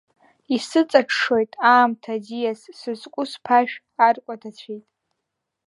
Исыҵаҽҽоит аамҭа аӡиас, сызку сԥашә аркәадацәеит.